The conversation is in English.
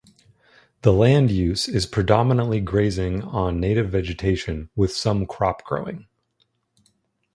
The land use is predominantly grazing on native vegetation with some crop growing.